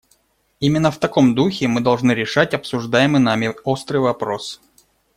Именно в таком духе мы должны решать обсуждаемый нами острый вопрос.